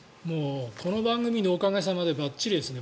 この番組のおかげ様でばっちりですね。